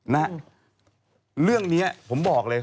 นะฮะเรื่องนี้ผมบอกเลย